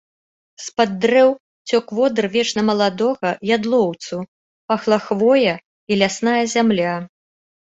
З-пад дрэў цёк водыр вечна маладога ядлоўцу, пахла хвоя і лясная зямля.